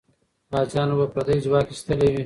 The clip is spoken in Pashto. غازیانو به پردی ځواک ایستلی وي.